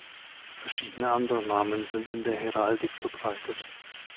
Verschiedene andere Namen sind in der Heraldik verbreitet.